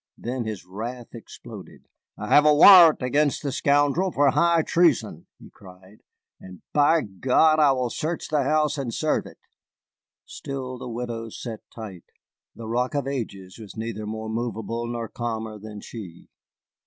Then his wrath exploded. "I have a warrant against the scoundrel for high treason," he cried, "and, by God, I will search the house and serve it." Still the widow sat tight. The Rock of Ages was neither more movable nor calmer than she.